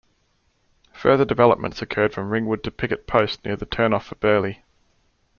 Further developments occurred from Ringwood to Picket Post near the turn-off for Burley.